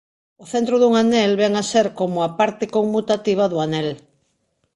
O centro dun anel vén a ser como "a parte conmutativa do anel".